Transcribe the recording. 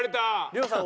亮さん